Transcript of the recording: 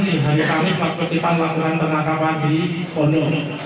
di hari kamis waktu kita melakukan penangkapan di bonu